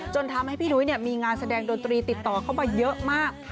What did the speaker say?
ทำให้พี่นุ้ยมีงานแสดงดนตรีติดต่อเข้ามาเยอะมาก